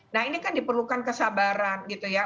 nah ini kan diperlukan kesabaran gitu ya